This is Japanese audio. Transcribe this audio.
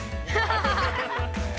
ハハハハッ！